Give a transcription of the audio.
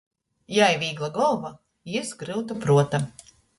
Jai — vīgla golva, jis — gryuta pruota.